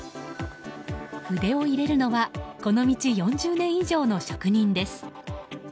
筆を入れるのはこの道４０年以上の職人です。